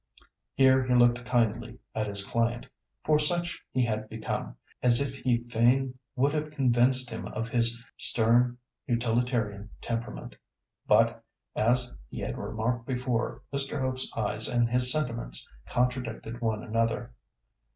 Here he looked kindly at his client—for such he had become—as if he fain would have convinced him of his stern utilitarian temperament. But, as he had remarked before, Mr. Hope's eyes and his sentiments contradicted one another.